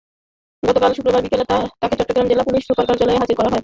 গতকাল শুক্রবার বিকেলে তাঁকে চট্টগ্রাম জেলা পুলিশ সুপার কার্যালয়ে হাজির করা হয়।